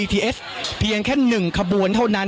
เดี๋ยวฟังบริกาศสักครู่นะครับคุณผู้ชมครับ